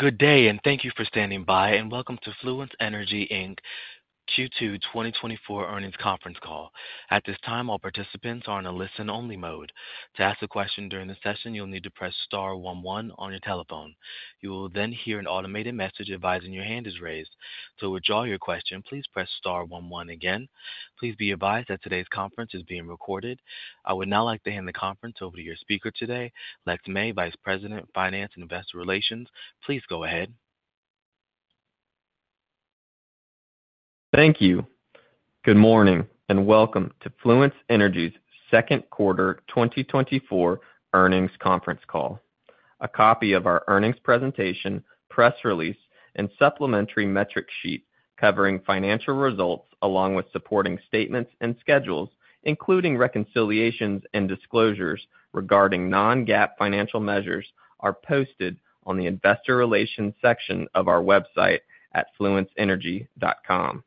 Good day, and thank you for standing by, and welcome to Fluence Energy Inc. Q2 2024 earnings conference call. At this time, all participants are in a listen-only mode. To ask a question during the session, you'll need to press star one one on your telephone. You will then hear an automated message advising your hand is raised. To withdraw your question, please press star one one again. Please be advised that today's conference is being recorded. I would now like to hand the conference over to your speaker today, Lex May, Vice President of Finance and Investor Relations. Please go ahead. Thank you. Good morning, and welcome to Fluence Energy's second quarter 2024 earnings conference call. A copy of our earnings presentation, press release, and supplementary metric sheet covering financial results, along with supporting statements and schedules, including reconciliations and disclosures regarding non-GAAP financial measures, are posted on the investor relations section of our website at fluenceenergy.com.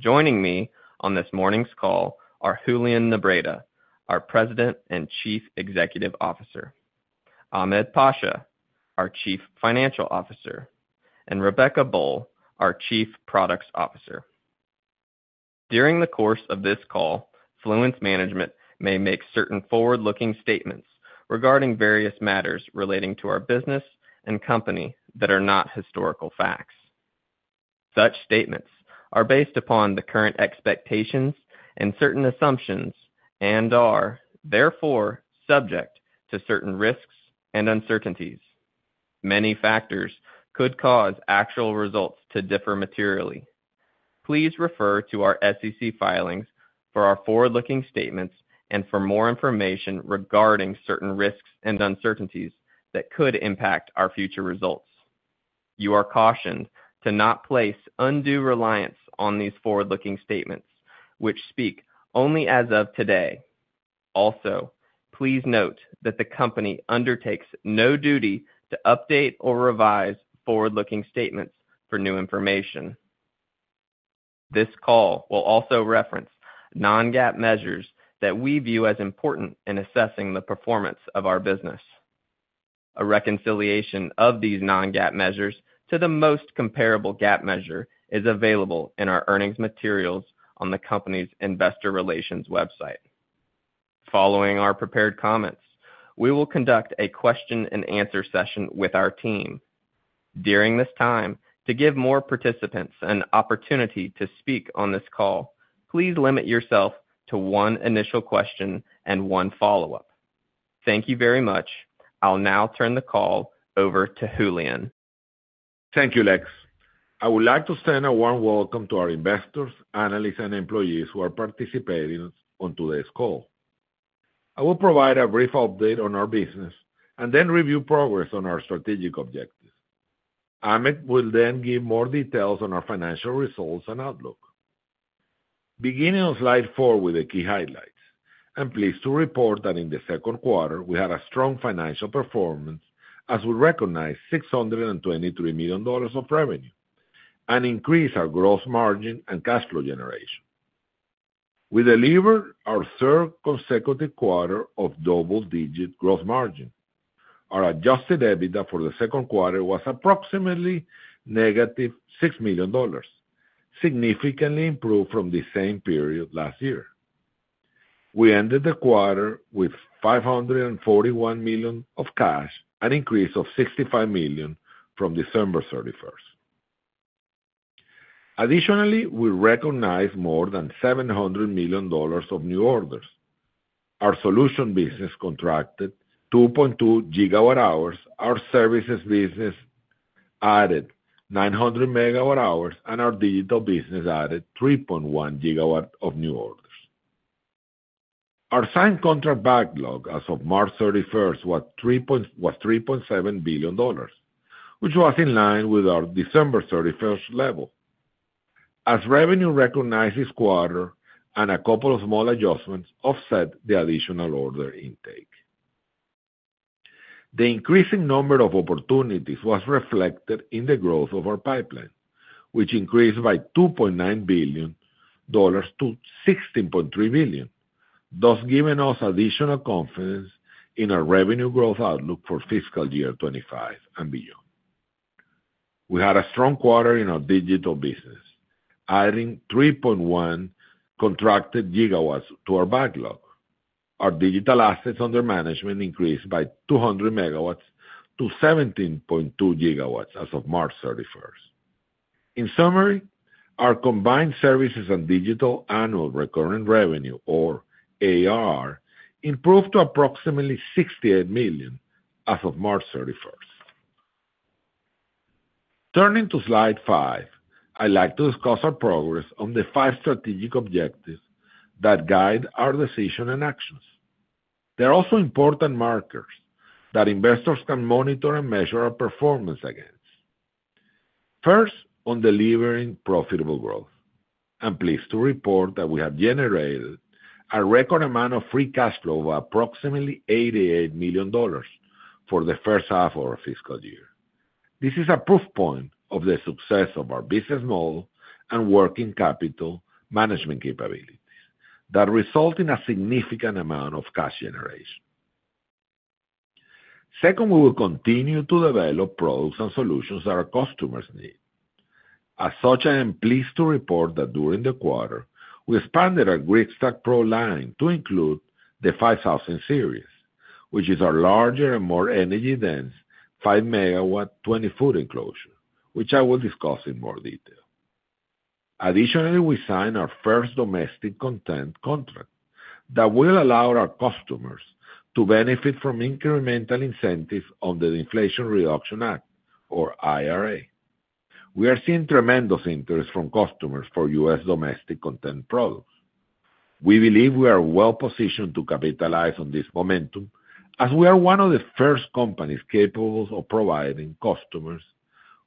Joining me on this morning's call are Julian Nebreda, our President and Chief Executive Officer, Ahmed Pasha, our Chief Financial Officer, and Rebecca Boll, our Chief Products Officer. During the course of this call, Fluence management may make certain forward-looking statements regarding various matters relating to our business and company that are not historical facts. Such statements are based upon the current expectations and certain assumptions and are therefore subject to certain risks and uncertainties. Many factors could cause actual results to differ materially. Please refer to our SEC filings for our forward-looking statements and for more information regarding certain risks and uncertainties that could impact our future results. You are cautioned to not place undue reliance on these forward-looking statements, which speak only as of today. Also, please note that the company undertakes no duty to update or revise forward-looking statements for new information. This call will also reference non-GAAP measures that we view as important in assessing the performance of our business. A reconciliation of these non-GAAP measures to the most comparable GAAP measure is available in our earnings materials on the company's investor relations website. Following our prepared comments, we will conduct a question-and-answer session with our team. During this time, to give more participants an opportunity to speak on this call, please limit yourself to one initial question and one follow-up. Thank you very much. I'll now turn the call over to Julian. Thank you, Lex. I would like to extend a warm welcome to our investors, analysts, and employees who are participating on today's call. I will provide a brief update on our business and then review progress on our strategic objectives. Ahmed will then give more details on our financial results and outlook. Beginning on slide 4 with the key highlights, I'm pleased to report that in the second quarter, we had a strong financial performance as we recognized $623 million of revenue and increased our gross margin and cash flow generation. We delivered our third consecutive quarter of double-digit growth margin. Our Adjusted EBITDA for the second quarter was approximately -$6 million, significantly improved from the same period last year. We ended the quarter with $541 million of cash, an increase of $65 million from December 31. Additionally, we recognized more than $700 million of new orders. Our solution business contracted 2.2 GWh, our services business added 900 MWh, and our digital business added 3.1 GW of new orders. Our signed contract backlog as of March 31 was 3.7 billion dollars, which was in line with our December 31 level. As revenue recognized this quarter and a couple of small adjustments offset the additional order intake. The increasing number of opportunities was reflected in the growth of our pipeline, which increased by $2.9 billion to $16.3 billion, thus giving us additional confidence in our revenue growth outlook for fiscal year 2025 and beyond. We had a strong quarter in our digital business, adding 3.1 contracted GW to our backlog. Our digital assets under management increased by 200 megawatts to 17.2 gigawatts as of March 31. In summary, our combined services and digital annual recurring revenue, or AR, improved to approximately $68 million as of March 31. Turning to Slide five, I'd like to discuss our progress on the five strategic objectives that guide our decisions and actions. They're also important markers that investors can monitor and measure our performance against. First, on delivering profitable growth. I'm pleased to report that we have generated a record amount of free cash flow of approximately $88 million for the first half of our fiscal year. This is a proof point of the success of our business model and working capital management capabilities... that result in a significant amount of cash generation. Second, we will continue to develop products and solutions that our customers need. As such, I am pleased to report that during the quarter, we expanded our Gridstack Pro line to include the 5000 series, which is our larger and more energy-dense 5-megawatt, 20-foot enclosure, which I will discuss in more detail. Additionally, we signed our first domestic content contract that will allow our customers to benefit from incremental incentives on the Inflation Reduction Act, or IRA. We are seeing tremendous interest from customers for U.S. domestic content products. We believe we are well positioned to capitalize on this momentum, as we are one of the first companies capable of providing customers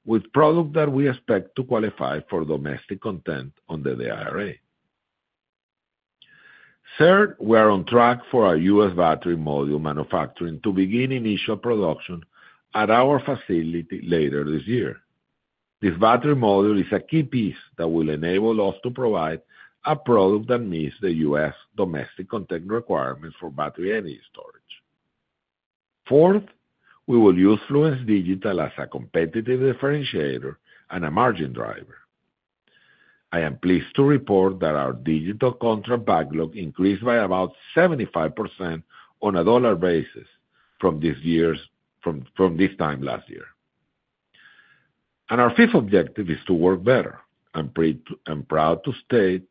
with products that we expect to qualify for domestic content under the IRA. Third, we are on track for our U.S. battery module manufacturing to begin initial production at our facility later this year. This battery module is a key piece that will enable us to provide a product that meets the U.S. domestic content requirements for battery energy storage. Fourth, we will use Fluence Digital as a competitive differentiator and a margin driver. I am pleased to report that our digital contract backlog increased by about 75% on a dollar basis from this time last year. Our fifth objective is to work better. I'm proud to state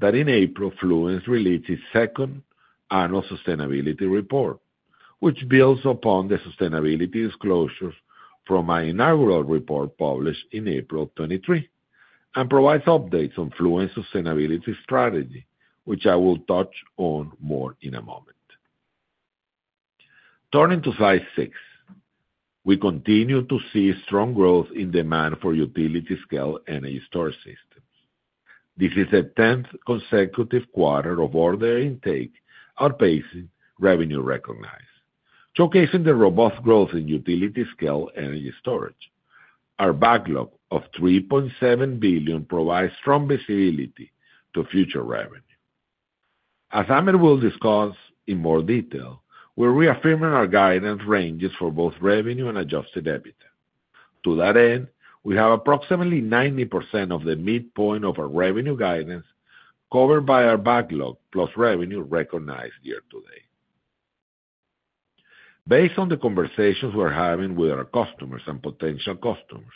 that in April, Fluence released its second annual sustainability report, which builds upon the sustainability disclosures from our inaugural report, published in April of 2023, and provides updates on Fluence sustainability strategy, which I will touch on more in a moment. Turning to slide six. We continue to see strong growth in demand for utility scale energy storage systems. This is the 10th consecutive quarter of order intake, outpacing revenue recognized, showcasing the robust growth in utility-scale energy storage. Our backlog of $3.7 billion provides strong visibility to future revenue. As Ahmed will discuss in more detail, we're reaffirming our guidance ranges for both revenue and Adjusted EBITDA. To that end, we have approximately 90% of the midpoint of our revenue guidance covered by our backlog, plus revenue recognized year-to-date. Based on the conversations we're having with our customers and potential customers,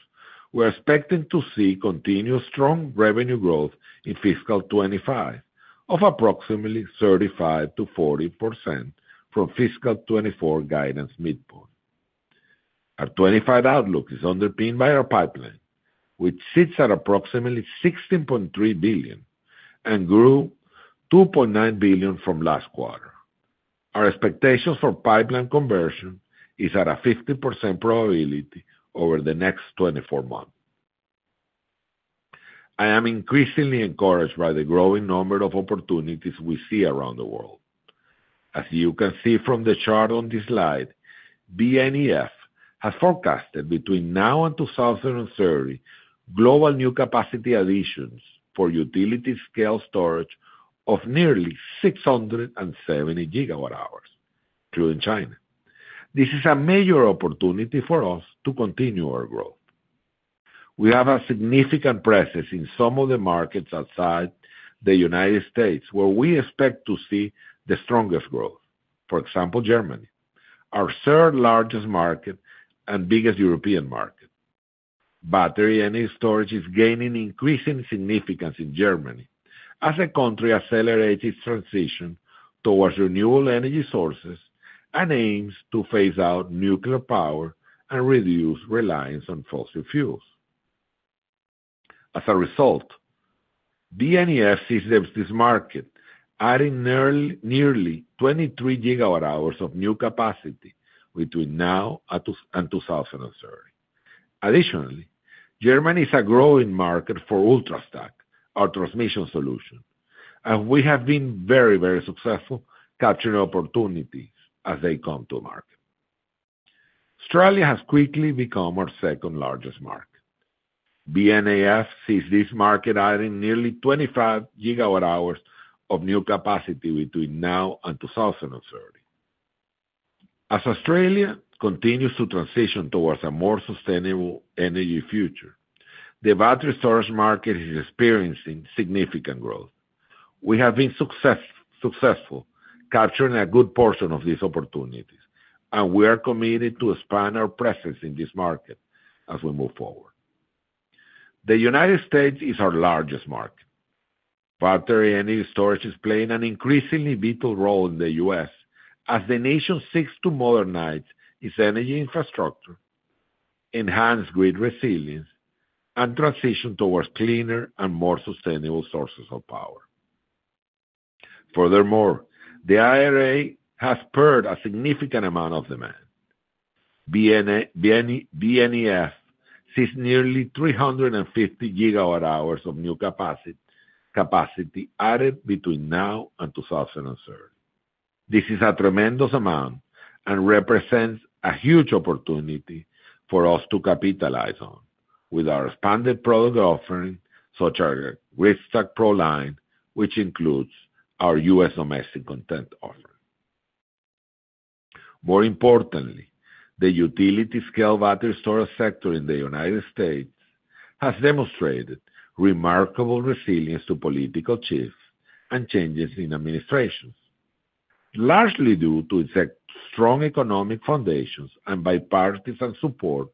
we're expecting to see continuous strong revenue growth in fiscal 2025, of approximately 35%-40% from fiscal 2024 guidance midpoint. Our 2025 outlook is underpinned by our pipeline, which sits at approximately $16.3 billion, and grew $2.9 billion from last quarter. Our expectations for pipeline conversion is at a 50% probability over the next 24 months. I am increasingly encouraged by the growing number of opportunities we see around the world. As you can see from the chart on this slide, BNEF has forecasted between now and 2030, global new capacity additions for utility scale storage of nearly 670 GWh, including China. This is a major opportunity for us to continue our growth. We have a significant presence in some of the markets outside the United States, where we expect to see the strongest growth. For example, Germany, our third largest market and biggest European market. Battery energy storage is gaining increasing significance in Germany, as the country accelerates its transition towards renewable energy sources, and aims to phase out nuclear power and reduce reliance on fossil fuels. As a result, BNEF sees this market adding nearly 23 gigawatt hours of new capacity between now and 2030. Additionally, Germany is a growing market for Ultrastack, our transmission solution, and we have been very, very successful capturing opportunities as they come to market. Australia has quickly become our second largest market. BNEF sees this market adding nearly 25 gigawatt hours of new capacity between now and 2030. As Australia continues to transition towards a more sustainable energy future, the battery storage market is experiencing significant growth. We have been successful capturing a good portion of these opportunities, and we are committed to expand our presence in this market as we move forward. The United States is our largest market. Battery energy storage is playing an increasingly vital role in the U.S., as the nation seeks to modernize its energy infrastructure, enhance grid resilience, and transition towards cleaner and more sustainable sources of power. Furthermore, the IRA has spurred a significant amount of demand. BNEF sees nearly 350 gigawatt hours of new capacity added between now and 2030. This is a tremendous amount, and represents a huge opportunity for us to capitalize on with our expanded product offering, such as our Gridstack Pro line, which includes our U.S. domestic content offering. More importantly, the utility scale battery storage sector in the United States has demonstrated remarkable resilience to political shifts and changes in administrations, largely due to its strong economic foundations and bipartisan support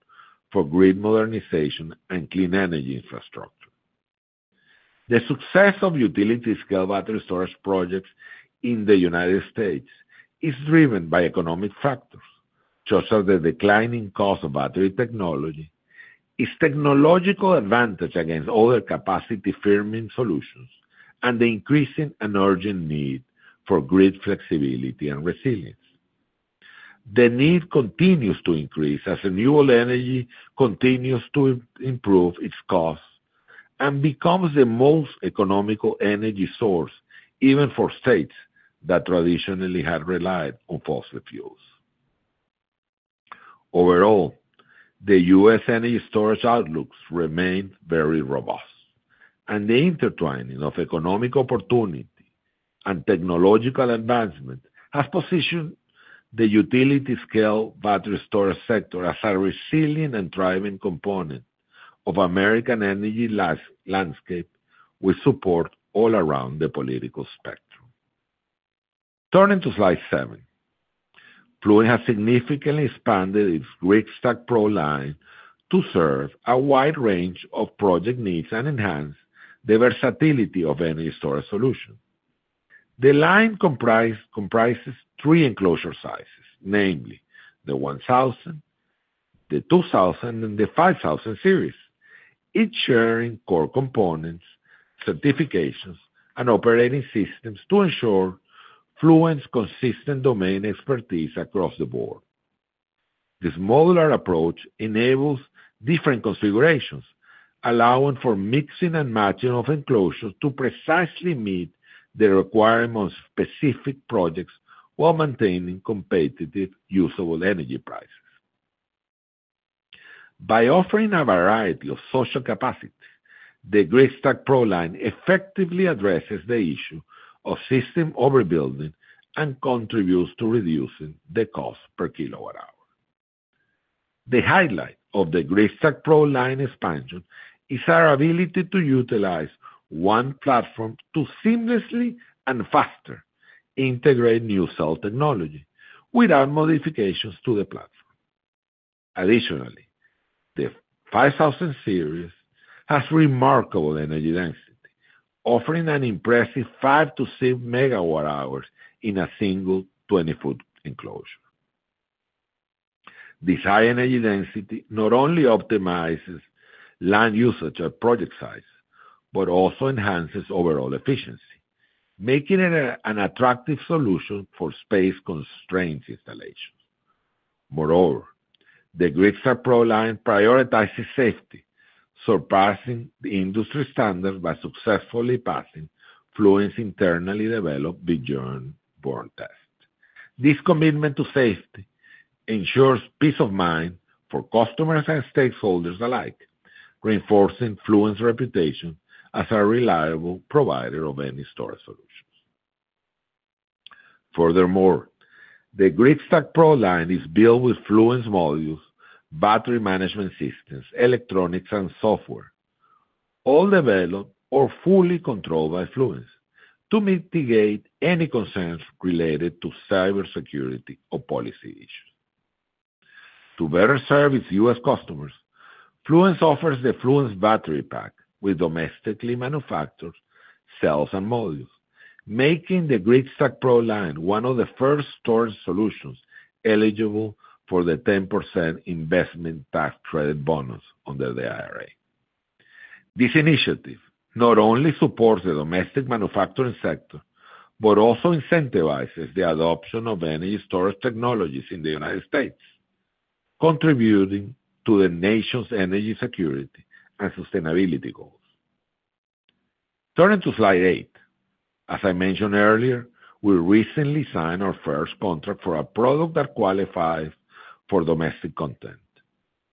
for grid modernization and clean energy infrastructure. The success of utility scale battery storage projects in the United States is driven by economic factors, such as the declining cost of battery technology, its technological advantage against other capacity firming solutions, and the increasing and urgent need for grid flexibility and resilience. The need continues to increase as renewable energy continues to improve its costs, and becomes the most economical energy source, even for states that traditionally had relied on fossil fuels. Overall, the U.S. energy storage outlooks remain very robust, and the intertwining of economic opportunity and technological advancement has positioned the utility scale battery storage sector as a resilient and thriving component of American energy landscape, with support all around the political spectrum. Turning to slide seven. Fluence has significantly expanded its Gridstack Pro line to serve a wide range of project needs and enhance the versatility of any storage solution. The line comprises three enclosure sizes, namely the 1000, the 2000, and the 5000 Series, each sharing core components, certifications, and operating systems to ensure Fluence's consistent domain expertise across the board. This modular approach enables different configurations, allowing for mixing and matching of enclosures to precisely meet the requirement of specific projects while maintaining competitive, usable energy prices. By offering a variety of storage capacity, the Gridstack Pro line effectively addresses the issue of system overbuilding and contributes to reducing the cost per kilowatt hour. The highlight of the Gridstack Pro line expansion is our ability to utilize one platform to seamlessly and faster integrate new cell technology without modifications to the platform. Additionally, the 5000 Series has remarkable energy density, offering an impressive 5-6 MWh in a single 20-foot enclosure. This high energy density not only optimizes land usage at project sites, but also enhances overall efficiency, making it an attractive solution for space-constrained installations. Moreover, the Gridstack Pro line prioritizes safety, surpassing the industry standard by successfully passing Fluence's internally developed Beyond Burn test. This commitment to safety ensures peace of mind for customers and stakeholders alike, reinforcing Fluence's reputation as a reliable provider of energy storage solutions. Furthermore, the Gridstack Pro line is built with Fluence modules, battery management systems, electronics, and software, all developed or fully controlled by Fluence to mitigate any concerns related to cybersecurity or policy issues. To better service U.S. customers, Fluence offers the Fluence battery pack with domestically manufactured cells and modules, making the Gridstack Pro line one of the first storage solutions eligible for the 10% Investment Tax Credit bonus under the IRA. This initiative not only supports the domestic manufacturing sector, but also incentivizes the adoption of energy storage technologies in the United States, contributing to the nation's energy security and sustainability goals. Turning to slide 8. As I mentioned earlier, we recently signed our first contract for a product that qualifies for domestic content,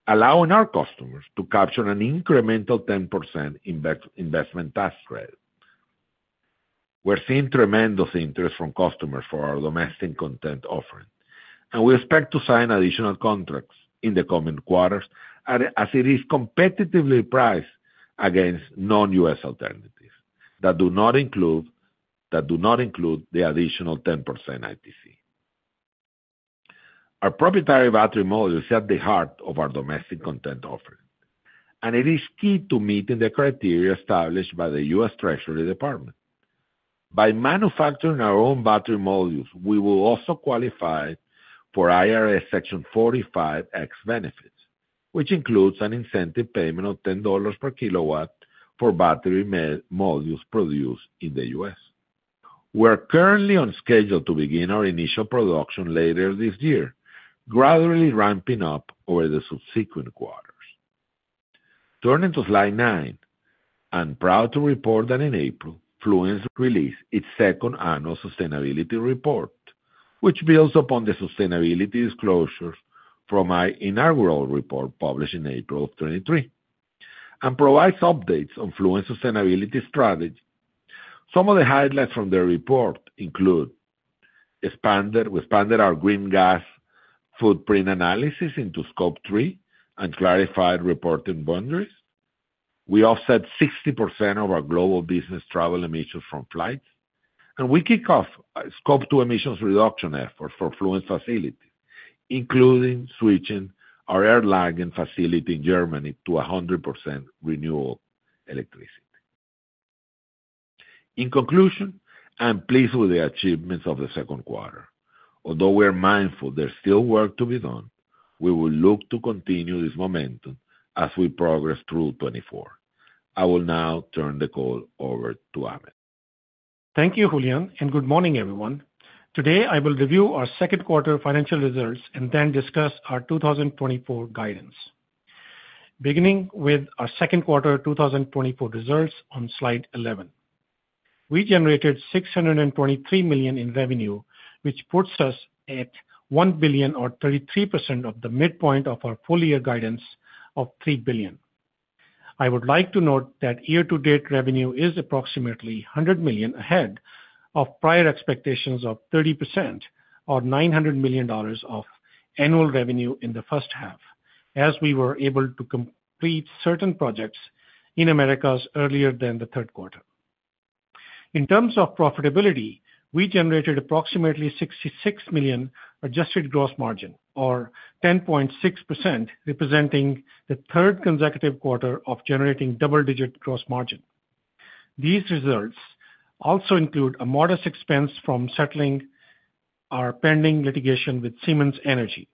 allowing our customers to capture an incremental 10% Investment Tax Credit. We're seeing tremendous interest from customers for our domestic content offering, and we expect to sign additional contracts in the coming quarters, as it is competitively priced against non-U.S. alternatives that do not include the additional 10% ITC. Our proprietary battery modules are at the heart of our domestic content offering, and it is key to meeting the criteria established by the U.S. Treasury Department. By manufacturing our own battery modules, we will also qualify for IRS Section 45X benefits, which includes an incentive payment of $10 per kW for battery modules produced in the US. We're currently on schedule to begin our initial production later this year, gradually ramping up over the subsequent quarters.... Turning to slide nine. I'm proud to report that in April, Fluence released its second annual sustainability report, which builds upon the sustainability disclosures from our inaugural report, published in April of 2023, and provides updates on Fluence sustainability strategy. Some of the highlights from the report include we expanded our green gas footprint analysis into Scope 3 and clarified reporting boundaries. We offset 60% of our global business travel emissions from flights, and we kick off a Scope 2 emissions reduction effort for Fluence facilities, including switching our Erlangen facility in Germany to 100% renewable electricity. In conclusion, I'm pleased with the achievements of the second quarter. Although we are mindful there's still work to be done, we will look to continue this momentum as we progress through 2024. I will now turn the call over to Ahmed. Thank you, Julian, and good morning, everyone. Today, I will review our second quarter financial results and then discuss our 2024 guidance. Beginning with our second quarter 2024 results on slide 11. We generated $623 million in revenue, which puts us at $1 billion or 33% of the midpoint of our full year guidance of $3 billion. I would like to note that year-to-date revenue is approximately $100 million ahead of prior expectations of 30% or $900 million of annual revenue in the first half, as we were able to complete certain projects in Americas earlier than the third quarter. In terms of profitability, we generated approximately $66 million Adjusted Gross Margin, or 10.6%, representing the third consecutive quarter of generating double-digit gross margin. These results also include a modest expense from settling our pending litigation with Siemens Energy.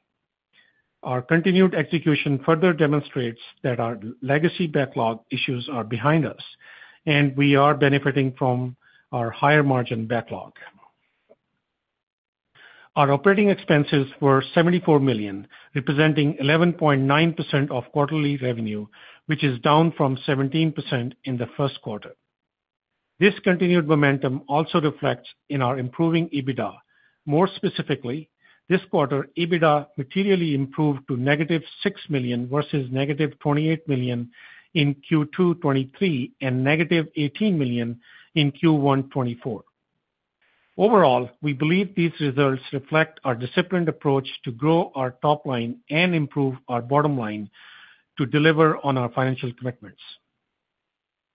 Our continued execution further demonstrates that our legacy backlog issues are behind us, and we are benefiting from our higher margin backlog. Our operating expenses were $74 million, representing 11.9% of quarterly revenue, which is down from 17% in the first quarter. This continued momentum also reflects in our improving EBITDA. More specifically, this quarter, EBITDA materially improved to -$6 million versus -$28 million in Q2 2023, and -$18 million in Q1 2024. Overall, we believe these results reflect our disciplined approach to grow our top line and improve our bottom line to deliver on our financial commitments.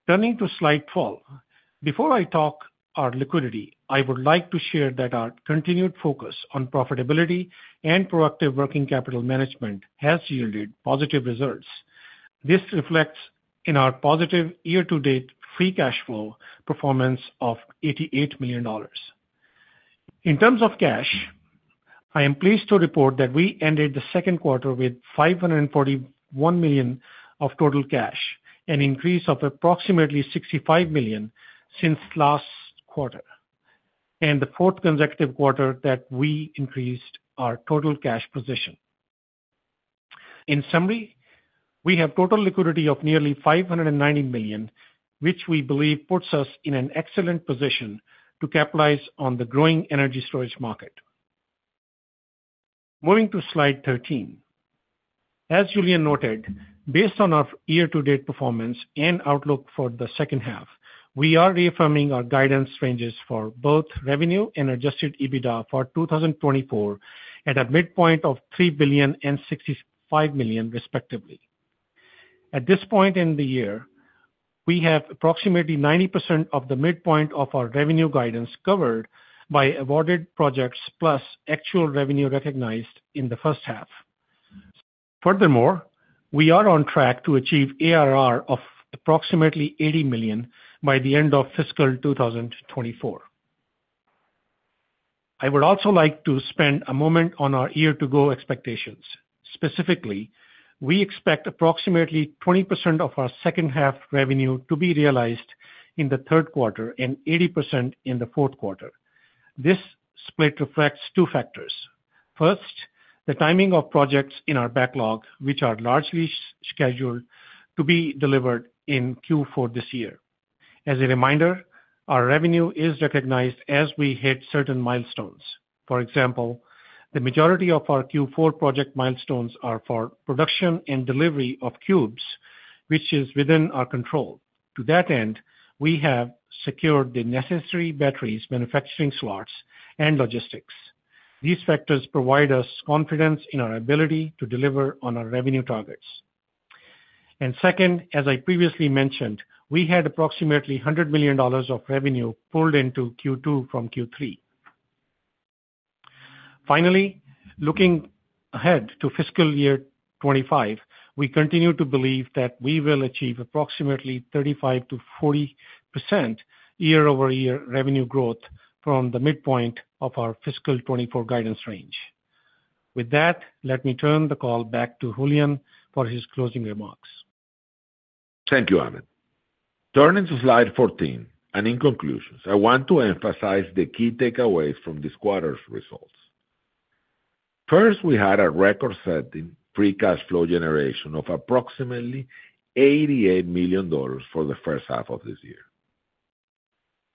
Turning to slide 12. Before I talk about our liquidity, I would like to share that our continued focus on profitability and proactive working capital management has yielded positive results. This reflects in our positive year-to-date free cash flow performance of $88 million. In terms of cash, I am pleased to report that we ended the second quarter with $541 million of total cash, an increase of approximately $65 million since last quarter, and the fourth consecutive quarter that we increased our total cash position. In summary, we have total liquidity of nearly $590 million, which we believe puts us in an excellent position to capitalize on the growing energy storage market. Moving to slide 13. As Julian noted, based on our year-to-date performance and outlook for the second half, we are reaffirming our guidance ranges for both revenue and adjusted EBITDA for 2024, at a midpoint of $3 billion and $65 million, respectively. At this point in the year, we have approximately 90% of the midpoint of our revenue guidance covered by awarded projects, plus actual revenue recognized in the first half. Furthermore, we are on track to achieve ARR of approximately $80 million by the end of fiscal 2024. I would also like to spend a moment on our year-to-go expectations. Specifically, we expect approximately 20% of our second half revenue to be realized in the third quarter and 80% in the fourth quarter. This split reflects two factors. First, the timing of projects in our backlog, which are largely scheduled to be delivered in Q4 this year. As a reminder, our revenue is recognized as we hit certain milestones. For example, the majority of our Q4 project milestones are for production and delivery of cubes, which is within our control. To that end, we have secured the necessary batteries, manufacturing slots, and logistics. These factors provide us confidence in our ability to deliver on our revenue targets. And second, as I previously mentioned, we had approximately $100 million of revenue pulled into Q2 from Q3. Finally, looking ahead to fiscal year 2025, we continue to believe that we will achieve approximately 35%-40% year-over-year revenue growth from the midpoint of our fiscal 2024 guidance range. With that, let me turn the call back to Julian for his closing remarks. Thank you, Ahmed. Turning to slide 14, and in conclusion, I want to emphasize the key takeaways from this quarter's results. First, we had a record-setting free cash flow generation of approximately $88 million for the first half of this year.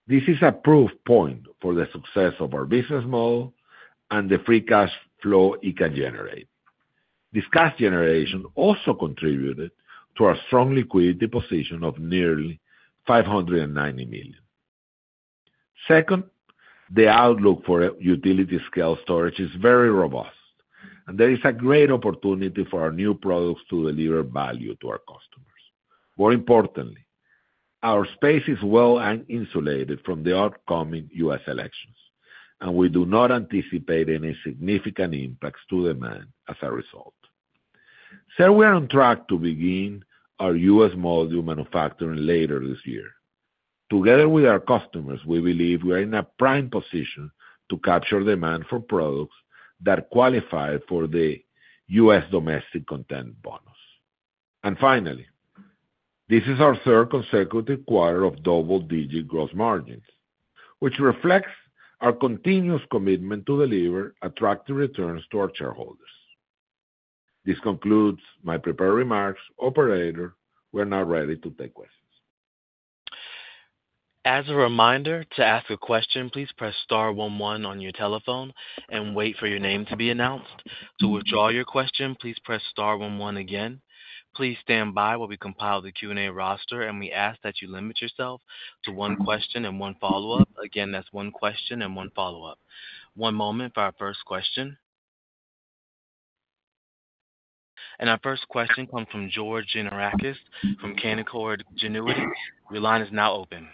This is a proof point for the success of our business model and the free cash flow it can generate. This cash generation also contributed to our strong liquidity position of nearly $590 million. Second, the outlook for utility scale storage is very robust, and there is a great opportunity for our new products to deliver value to our customers. More importantly, our space is well-insulated from the upcoming U.S. elections, and we do not anticipate any significant impacts to demand as a result. So we are on track to begin our U.S. module manufacturing later this year. Together with our customers, we believe we are in a prime position to capture demand for products that qualify for the U.S. domestic content bonus. Finally, this is our third consecutive quarter of double-digit gross margins, which reflects our continuous commitment to deliver attractive returns to our shareholders. This concludes my prepared remarks. Operator, we're now ready to take questions. As a reminder, to ask a question, please press star one one on your telephone and wait for your name to be announced. To withdraw your question, please press star one one again. Please stand by while we compile the Q&A roster, and we ask that you limit yourself to one question and one follow-up. Again, that's one question and one follow-up. One moment for our first question. Our first question comes from George Gianarikas from Canaccord Genuity. Your line is now open.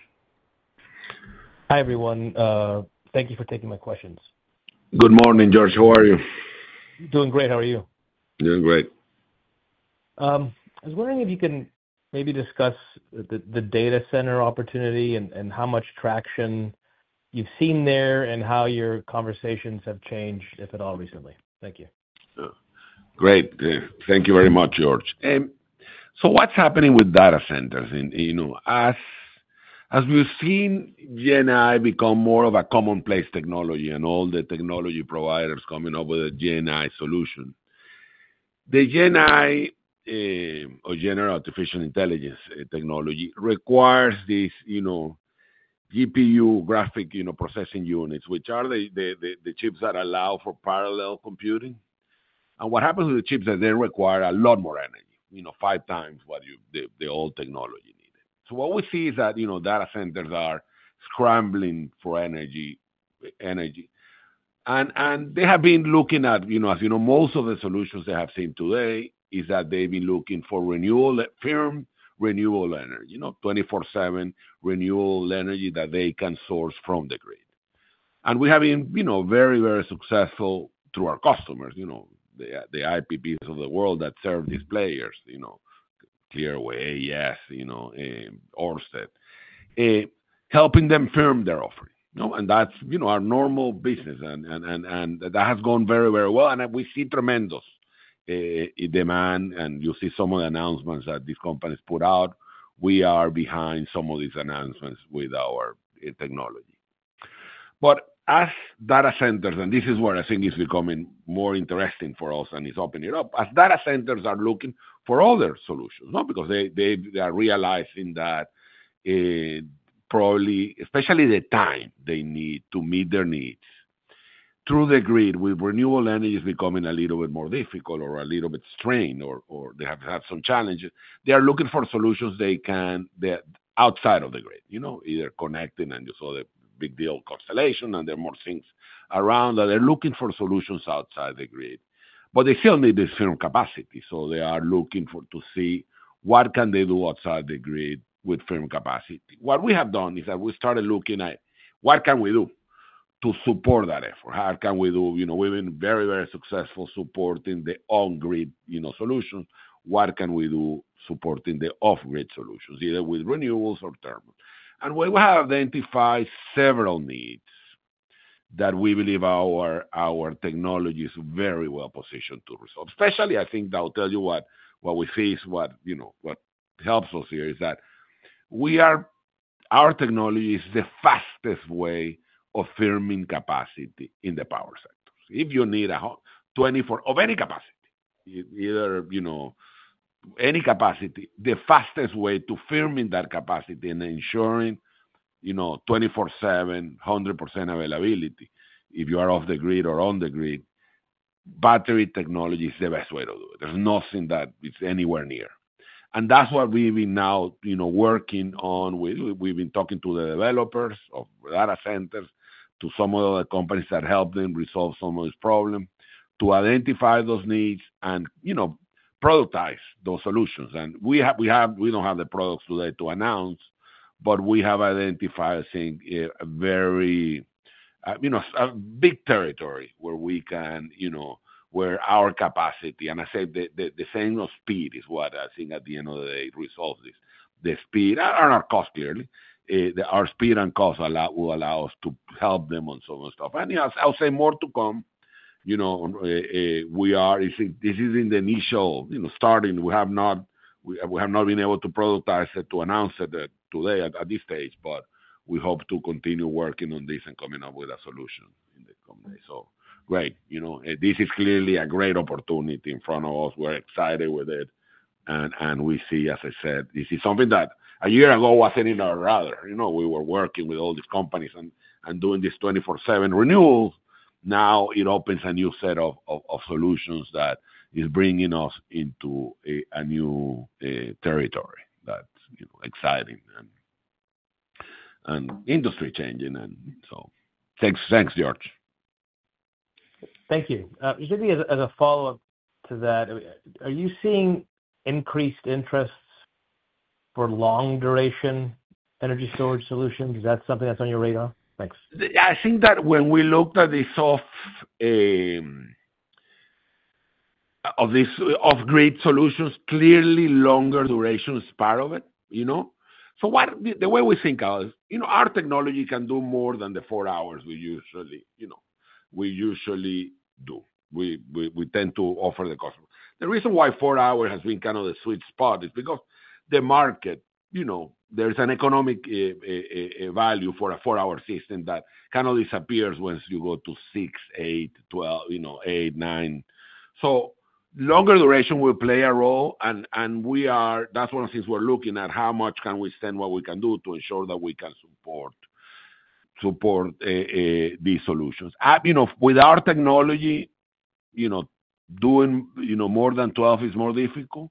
Hi, everyone. Thank you for taking my questions. Good morning, George. How are you? Doing great. How are you? Doing great. I was wondering if you can maybe discuss the data center opportunity and how much traction you've seen there, and how your conversations have changed, if at all, recently. Thank you. Great. Thank you very much, George. So what's happening with data centers? You know, as we've seen GenAI become more of a commonplace technology and all the technology providers coming up with a GenAI solution, the GenAI or general artificial intelligence technology requires these, you know, GPU graphics processing units, which are the chips that allow for parallel computing. And what happens to the chips, that they require a lot more energy, you know, 5 times what the old technology needed. So what we see is that, you know, data centers are scrambling for energy. And they have been looking at, you know, as you know, most of the solutions they have seen today is that they've been looking for renewable firm renewable energy, you know, 24/7 renewable energy that they can source from the grid. And we have been, you know, very, very successful through our customers, you know, the IPPs of the world that serve these players, you know, Clearway, AES, you know, Ørsted, helping them firm their offering. You know, and that's, you know, our normal business, and that has gone very, very well, and we see tremendous demand, and you'll see some of the announcements that these companies put out. We are behind some of these announcements with our technology. But as data centers, and this is where I think it's becoming more interesting for us and is opening it up, as data centers are looking for other solutions, not because they are realizing that, probably, especially the time they need to meet their needs. Through the grid with renewable energy is becoming a little bit more difficult or a little bit strained, or they have had some challenges. They are looking for solutions they can that outside of the grid, you know, either connecting. And you saw the big deal Constellation, and there are more things around, that they're looking for solutions outside the grid. But they still need the firm capacity, so they are looking for to see what can they do outside the grid with firm capacity. What we have done is that we started looking at what can we do to support that effort. How can we do. You know, we've been very, very successful supporting the on-grid, you know, solution. What can we do supporting the off-grid solutions, either with renewables or thermal? We have identified several needs that we believe our technology is very well positioned to resolve. Especially, I think, I'll tell you what we see is what, you know, what helps us here, is that our technology is the fastest way of firming capacity in the power sectors. If you need a whole 24... of any capacity, either, you know, any capacity, the fastest way to firming that capacity and ensuring, you know, 24/7, 100% availability, if you are off the grid or on the grid, battery technology is the best way to do it. There's nothing that is anywhere near. And that's what we've been now, you know, working on. We've been talking to the developers of data centers, to some of the companies that help them resolve some of these problems, to identify those needs and, you know, prototype those solutions. We don't have the products today to announce, but we have identified, I think, a very, you know, a big territory where we can, you know, where our capacity, and I say the same speed is what I think at the end of the day, resolves this. The speed and our cost, clearly, our speed and cost allow, will allow us to help them on some of the stuff. Yes, I'll say more to come. You know, we are, this is in the initial, you know, starting. We have not been able to prototype it, to announce it today at this stage, but we hope to continue working on this and coming up with a solution. Great. You know, this is clearly a great opportunity in front of us. We're excited with it, and we see, as I said, this is something that a year ago wasn't in our radar. You know, we were working with all these companies and doing this 24/7 renewals. Now it opens a new set of solutions that is bringing us into a new territory that's, you know, exciting and industry changing, and so thanks. Thanks, George. Thank you. Maybe as a follow-up to that, are you seeing increased interest for long duration energy storage solutions? Is that something that's on your radar? Thanks. I think that when we looked at the sort of these off-grid solutions, clearly longer duration is part of it, you know? So the way we think of, you know, our technology can do more than the four hours we usually do. We tend to offer the customer. The reason why four hours has been kind of the sweet spot is because the market, you know, there's an economic value for a four-hour system that kind of disappears once you go to six, eight, 12, you know, eight, nine. So longer duration will play a role, and we are. That's one of the things we're looking at, how much can we spend, what we can do to ensure that we can support these solutions. You know, with our technology, you know, doing more than 12 is more difficult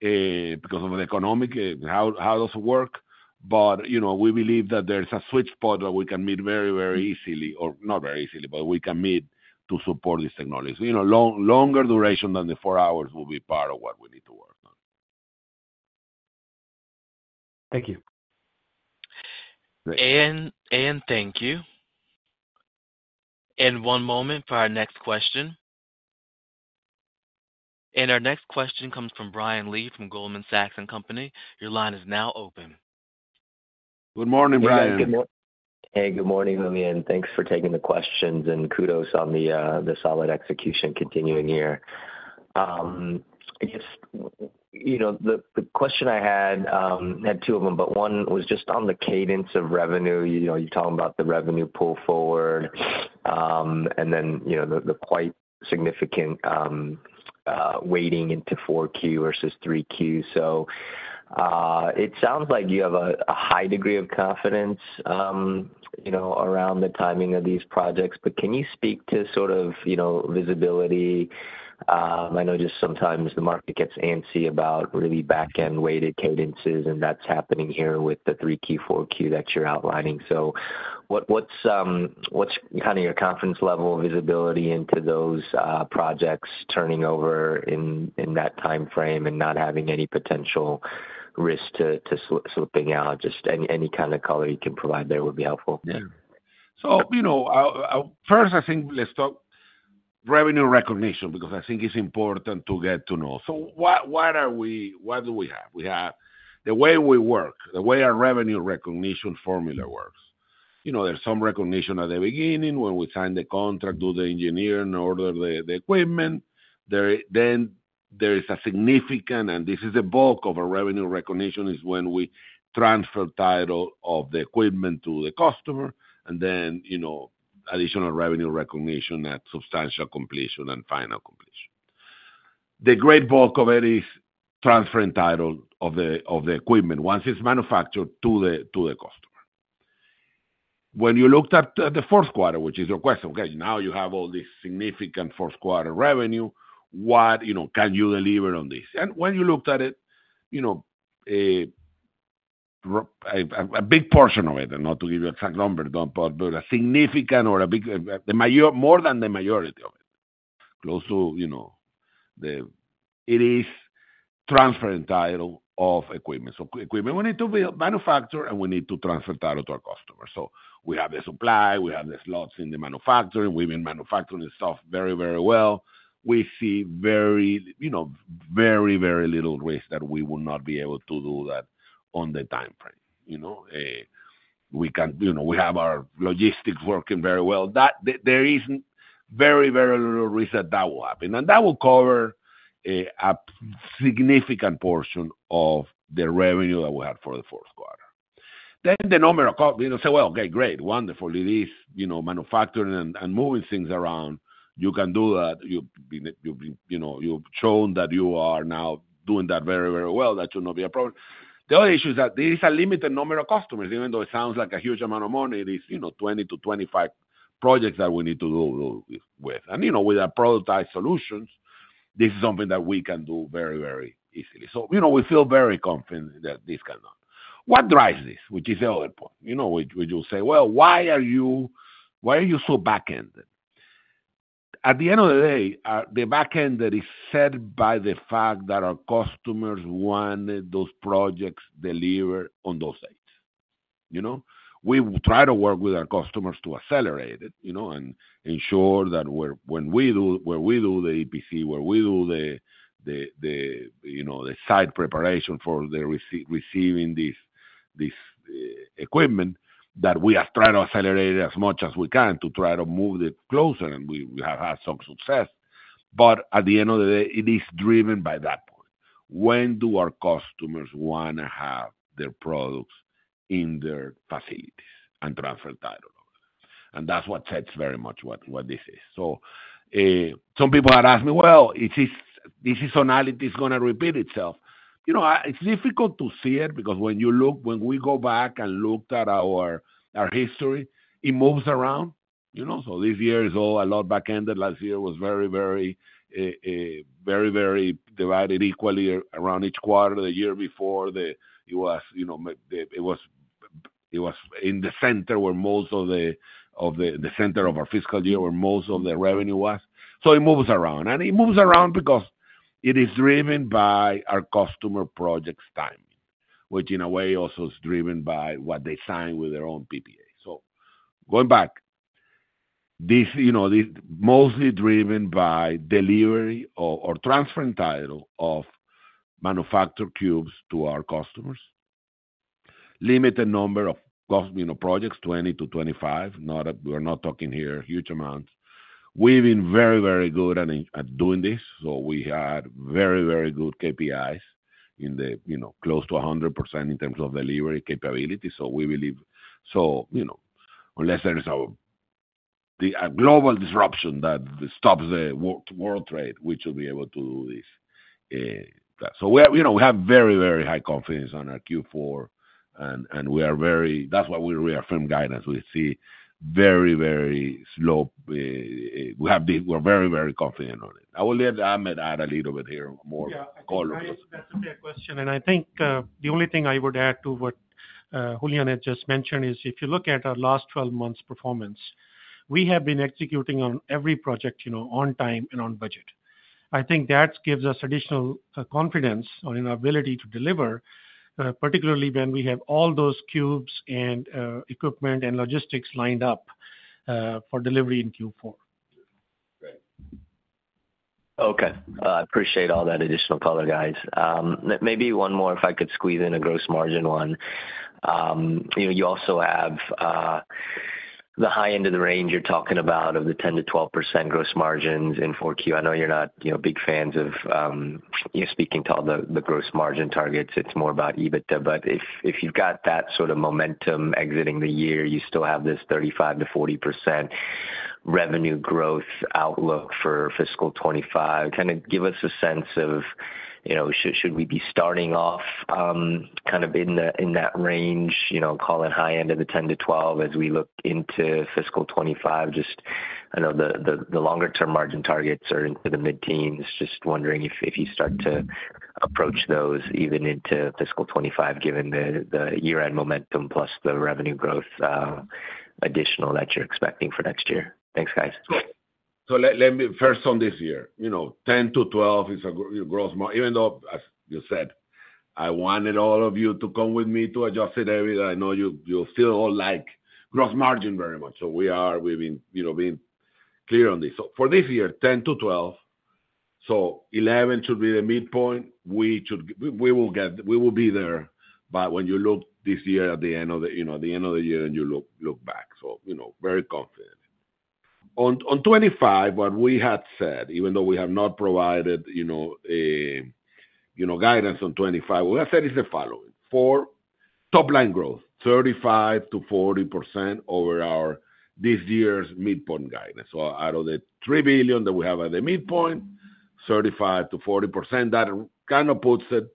because of the economics. How does it work? But you know, we believe that there's a sweet spot where we can meet very, very easily, or not very easily, but we can meet to support this technology. You know, longer duration than the four hours will be part of what we need to work on. Thank you. Thank you. One moment for our next question. Our next question comes from Brian Lee from Goldman Sachs and Company. Your line is now open. Good morning, Brian. Hey, good morning, Julian. Thanks for taking the questions, and kudos on the solid execution continuing here. I guess, you know, the question I had. I had two of them, but one was just on the cadence of revenue. You know, you're talking about the revenue pull forward, and then, you know, the quite significant weighting into four Q versus three Q. So, it sounds like you have a high degree of confidence, you know, around the timing of these projects, but can you speak to sort of, you know, visibility? I know just sometimes the market gets antsy about really back-end weighted cadences, and that's happening here with the three Q, four Q that you're outlining. So what's kind of your confidence level of visibility into those projects turning over in that timeframe and not having any potential risk to slipping out? Just any kind of color you can provide there would be helpful. Yeah. So, you know, I'll first. I think let's talk revenue recognition, because I think it's important to get to know. So what do we have? We have, the way we work, the way our revenue recognition formula works, you know, there's some recognition at the beginning when we sign the contract, do the engineering, order the equipment. Then there is a significant, and this is the bulk of our revenue recognition, is when we transfer title of the equipment to the customer, and then, you know, additional revenue recognition at substantial completion and final completion. The great bulk of it is transferring title of the equipment once it's manufactured to the customer. When you looked at the fourth quarter, which is your question, okay, now you have all this significant fourth quarter revenue, what, you know, can you deliver on this? And when you looked at it, you know, a big portion of it, and not to give you exact number, but a significant or a big, more than the majority of it, close to, you know, the... It is transferring title of equipment. So equipment, we need to manufacture, and we need to transfer title to our customers. So we have the supply, we have the slots in the manufacturing, we've been manufacturing this stuff very, very well. We see very, you know, very, very little risk that we will not be able to do that on the timeframe, you know, we can, you know, we have our logistics working very well. There is very, very little risk that that will happen, and that will cover a significant portion of the revenue that we have for the fourth quarter. Then the number of, you know, say, well, okay, great, wonderful. It is, you know, manufacturing and moving things around. You can do that. You've been, you know, you've shown that you are now doing that very, very well. That should not be a problem. The other issue is that there is a limited number of customers, even though it sounds like a huge amount of money, it is, you know, 20 to 25 projects that we need to do with. You know, with our prototype solutions, this is something that we can do very, very easily. So, you know, we feel very confident that this can be done. What drives this? Which is the other point. You know, we just say, "Well, why are you so back-ended?" At the end of the day, the back end that is set by the fact that our customers want those projects delivered on those dates, you know? We try to work with our customers to accelerate it, you know, and ensure that we're, when we do the EPC, when we do the, you know, the site preparation for receiving this equipment, that we are trying to accelerate it as much as we can to try to move it closer, and we have had some success. But at the end of the day, it is driven by that point.... When do our customers want to have their products in their facilities and transfer title? That's what sets very much what this is. So, some people have asked me: Well, is this seasonality gonna repeat itself. You know, it's difficult to see it because when we go back and look at our history, it moves around, you know. So this year is all a lot back-ended. Last year was very, very, very, very divided equally around each quarter. The year before it was, you know, the, it was, it was in the center where most of the, of the the center of our fiscal year, where most of the revenue was. So it moves around. It moves around because it is driven by our customer projects timing, which in a way, also is driven by what they sign with their own PPA. So going back, this, you know, this mostly driven by delivery or transferring title of manufactured cubes to our customers. Limited number of cost, you know, projects, 20-25. Not a-- we're not talking here huge amounts. We've been very, very good at doing this, so we had very, very good KPIs in the, you know, close to 100% in terms of delivery capability. So we believe- so, you know, unless there is a global disruption that stops the world trade, we should be able to do this. So we have, you know, we have very, very high confidence on our Q4, and we are very-- that's why we reaffirm guidance. We see very, very slow, we have the-- we're very, very confident on it. I will let Ahmed add a little bit here, more color. Yeah, I think that's a great question, and I think, the only thing I would add to what, Julian had just mentioned is, if you look at our last 12 months' performance, we have been executing on every project, you know, on time and on budget. I think that gives us additional, confidence in our ability to deliver, particularly when we have all those cubes and, equipment and logistics lined up, for delivery in Q4. Great. Okay. I appreciate all that additional color, guys. Maybe one more, if I could squeeze in a gross margin one. You know, you also have the high end of the range you're talking about, of the 10%-12% gross margins in 4Q. I know you're not, you know, big fans of you speaking to all the gross margin targets, it's more about EBITDA. But if you've got that sort of momentum exiting the year, you still have this 35%-40% revenue growth outlook for fiscal 2025. Kind of give us a sense of, you know, should we be starting off kind of in that range, you know, call it high end of the 10%-12% as we look into fiscal 2025? Just, I know the longer-term margin targets are into the mid-teens. Just wondering if you start to approach those even into fiscal 2025, given the year-end momentum, plus the revenue growth, additional that you're expecting for next year? Thanks, guys. So, let me first on this year. You know, 10-12 is a gross margin even though, as you said, I wanted all of you to come with me to Adjusted EBITDA. I know you all feel like gross margin very much. So we are, we've been, you know, clear on this. So for this year, 10-12, so 11 should be the midpoint. We will be there, but when you look this year at the end of the year, you know, and you look back, so, you know, very confident. On 2025, what we had said, even though we have not provided, you know, guidance on 2025, what I said is the following: For top line growth, 35%-40% over our this year's midpoint guidance. So out of the $3 billion that we have at the midpoint, 35%-40%, that kind of puts it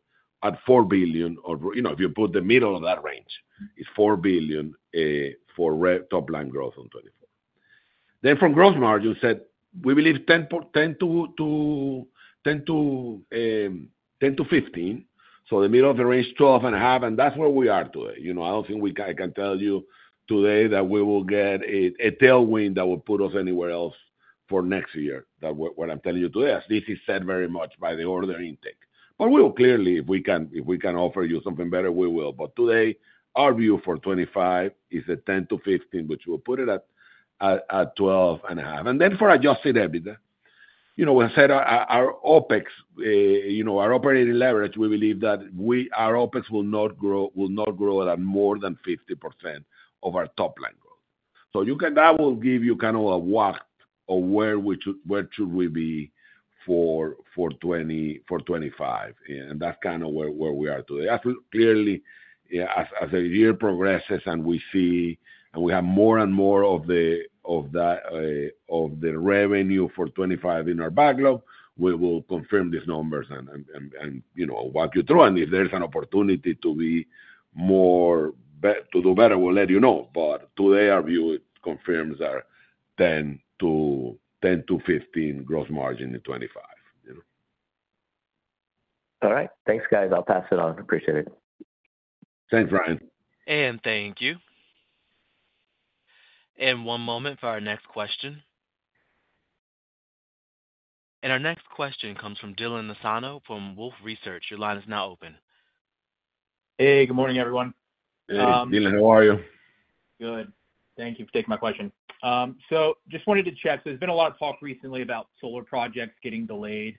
at $4 billion, or, you know, if you put the middle of that range, it's $4 billion for revenue top line growth on 2024. Then from gross margin, as we said we believe 10%-15%, so the middle of the range, 12.5%, and that's where we are today. You know, I don't think we can, I can tell you today that we will get a tailwind that will put us anywhere else for next year. That's what I'm telling you today; this is said very much by the order intake. But we will clearly, if we can offer you something better, we will. But today, our view for 2025 is a 10-15, which will put it at 12.5. And then for Adjusted EBITDA, you know, we said our OpEx, you know, our operating leverage, we believe that our OpEx will not grow at more than 50% of our top line growth. So that will give you kind of a whack of where should we be for 2025, and that's kind of where we are today. As we clearly, as the year progresses and we see, and we have more and more of the of that of the revenue for 2025 in our backlog, we will confirm these numbers and you know, walk you through. If there's an opportunity to be more to do better, we'll let you know. But today, our view, it confirms our 10-15 growth margin in 2025, you know? All right. Thanks, guys. I'll pass it on. Appreciate it. Thanks, Brian. Thank you. One moment for our next question. Our next question comes from Dylan Nassano from Wolfe Research. Your line is now open. Hey, good morning, everyone. Hey, Dylan, how are you? Good. Thank you for taking my question. So just wanted to check, there's been a lot of talk recently about solar projects getting delayed,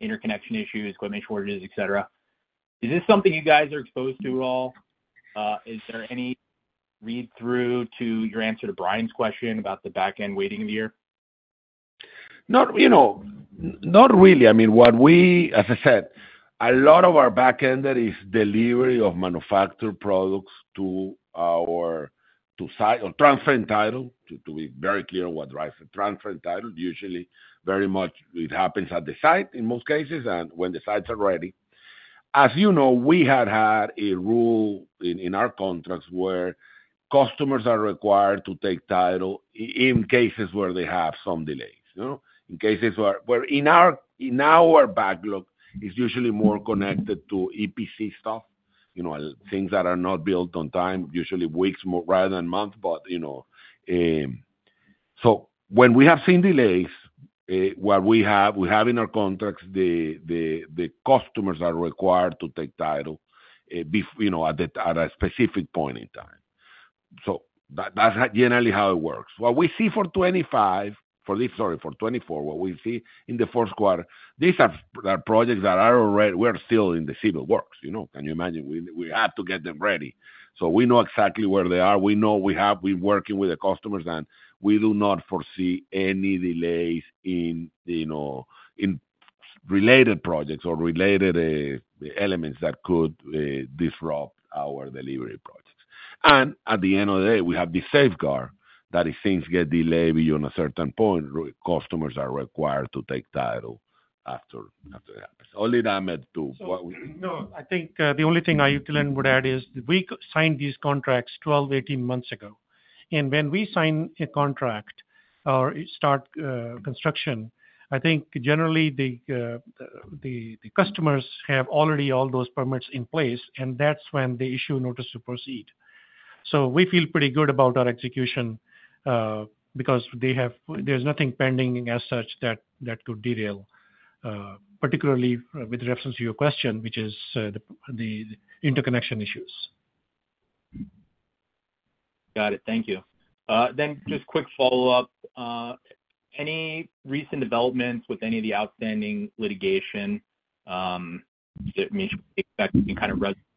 interconnection issues, equipment shortages, et cetera. Is this something you guys are exposed to at all? Is there any read-through to your answer to Brian's question about the back end weighting of the year?... Not, you know, not really. I mean, what we—as I said, a lot of our back-ended is delivery of manufactured products to our site or transfer and title, to be very clear what drives the transfer and title. Usually, very much it happens at the site in most cases, and when the sites are ready. As you know, we had had a rule in our contracts where customers are required to take title in cases where they have some delays, you know? In cases where in our backlog, it's usually more connected to EPC stuff, you know, things that are not built on time, usually weeks rather than months, but, you know. So when we have seen delays, what we have in our contracts, the customers are required to take title, you know, at a specific point in time. So that's generally how it works. What we see for 2025, for this, sorry, for 2024, what we see in the fourth quarter, these are projects that are already were still in the civil works, you know. Can you imagine? We have to get them ready. So we know exactly where they are. We know we're working with the customers, and we do not foresee any delays in, you know, in related projects or related elements that could disrupt our delivery projects. At the end of the day, we have the safeguard that if things get delayed beyond a certain point, customers are required to take title after it happens. Only, Ahmed, to what we- No, I think the only thing I, Julian, would add is we signed these contracts 12-18 months ago. And when we sign a contract or start construction, I think generally the customers have already all those permits in place, and that's when they issue a notice to proceed. So we feel pretty good about our execution because they have. There's nothing pending as such that could derail, particularly with reference to your question, which is the interconnection issues. Got it. Thank you. Then just quick follow-up. Any recent developments with any of the outstanding litigation that we expect to be kind of resolved one way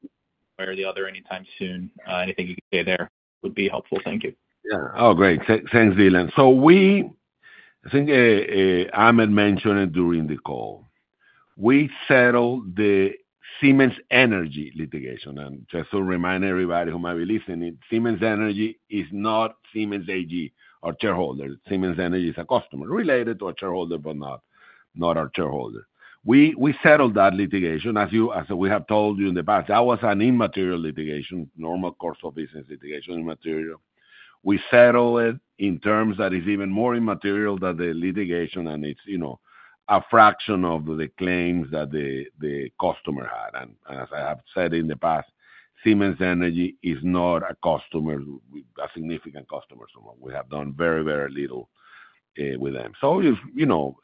or the other anytime soon? Anything you can say there would be helpful. Thank you. Yeah. Oh, great. Thanks, Dylan. So we, I think, Ahmed mentioned it during the call. We settled the Siemens Energy litigation. And just to remind everybody who might be listening, Siemens Energy is not Siemens AG, our shareholder. Siemens Energy is a customer related to our shareholder, but not, not our shareholder. We settled that litigation. As we have told you in the past, that was an immaterial litigation, normal course of business litigation, immaterial. We settled it in terms that is even more immaterial than the litigation, and it's, you know, a fraction of the claims that the customer had. And as I have said in the past, Siemens Energy is not a customer, a significant customer. So we have done very, very little with them. So if, you know,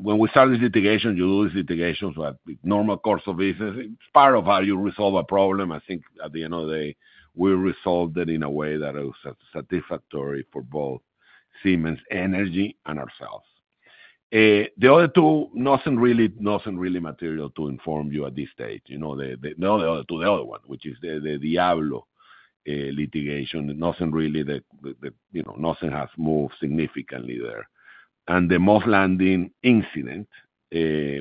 when we start this litigation, you lose litigations with normal course of business. It's part of how you resolve a problem. I think at the end of the day, we resolved it in a way that was satisfactory for both Siemens Energy and ourselves. The other two, nothing really, nothing really material to inform you at this stage. You know, the other two, the other one, which is the Diablo litigation, nothing really that. You know, nothing has moved significantly there. And the Moss Landing incident,